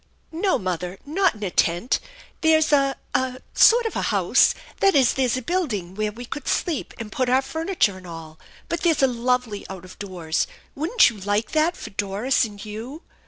" No, mother, not in a tent. There's a a sort of a house that is, there's a building, where we could sleep, and put our furniture, and all; but there's a lovely out of doors. Wouldn't you like that, for Doris and you